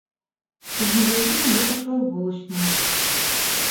Из магазина я пошел в булочную.